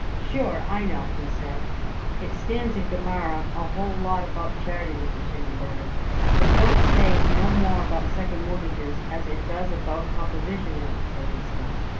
"Sure, I know," he said, "it stands in Gemara a whole lot about charity, Mr. Schindelberger, but it don't say no more about second mortgages as it does about composition notes, for instance.